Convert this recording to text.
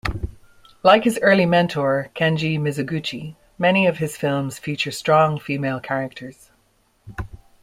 Like his early mentor Kenji Mizoguchi, many of his films feature strong female characters.